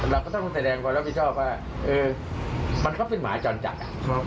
เราก็ต้องแสดงว่าเราไม่ชอบว่ามันเขาเป็นหมาจรจักร